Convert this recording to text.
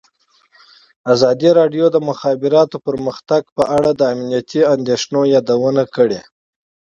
ازادي راډیو د د مخابراتو پرمختګ په اړه د امنیتي اندېښنو یادونه کړې.